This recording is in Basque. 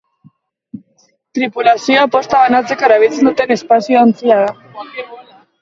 Tripulazioa posta banatzeko erabiltzen duten espazio ontzia da.